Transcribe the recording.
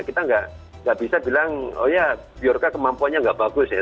kita nggak bisa bilang oh ya biarca kemampuannya nggak bagus ya